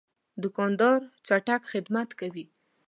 دوکاندار چټک خدمت کوي.